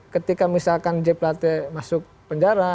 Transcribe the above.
ketika misalkan jeb latte masuk penjara